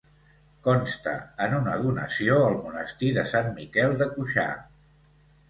Consta en una donació al monestir de Sant Miquel de Cuixà.